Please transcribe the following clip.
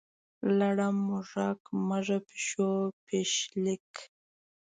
لړم، موږک، مږه، پیشو، پیښلیک.